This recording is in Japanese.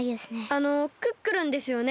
あのクックルンですよね？